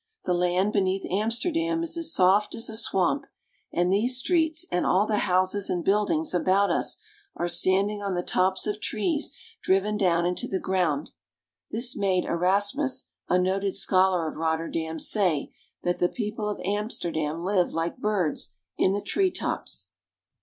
The land beneath Amsterdam is as soft as a swamp, and these streets and all the houses and buildings about us are standing on the tops of trees driven down into the ground. This made Erasmus, a noted scholar of Rotterdam, say that " the people of Amsterdam live like birds, in the tree tops."